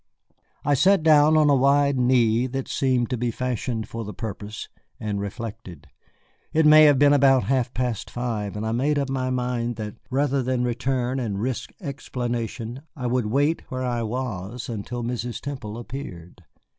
I sat down on a wide knee that seemed to be fashioned for the purpose, and reflected. It may have been about half past five, and I made up my mind that, rather than return and risk explanations, I would wait where I was until Mrs. Temple appeared.